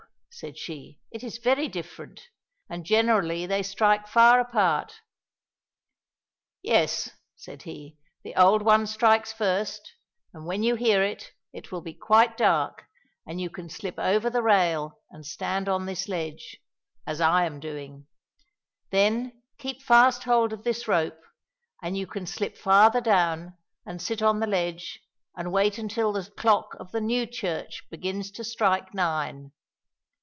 said she; "it is very different, and generally they strike far apart." "Yes," said he, "the old one strikes first; and when you hear it, it will be quite dark, and you can slip over the rail and stand on this ledge, as I am doing; then keep fast hold of this rope and you can slip farther down and sit on the ledge and wait until the clock of the new church begins to strike nine.